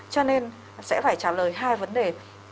cho nên sẽ phải trả lời hai vấn đề